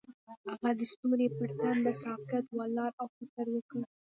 هغه د ستوري پر څنډه ساکت ولاړ او فکر وکړ.